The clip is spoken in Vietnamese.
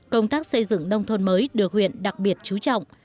công tác xây dựng nông thôn mới được huyện đặc biệt chú trọng